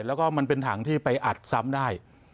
เพราะเป็นถังที่ไปอัดซ้ำได้